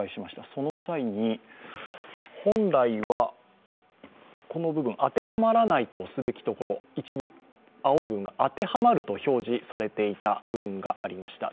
その際に、本来は、「当てはまらない」とすべきところ、一部青い部分府が「当てはまる」と表示されていた部分がありました。